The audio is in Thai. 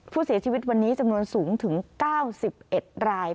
ผู้เสียชีวิตวันนี้จำนวนสูงถึง๙๑ราย